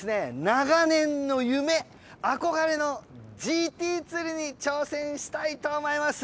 長年の夢憧れのＧＴ釣りに挑戦したいと思います。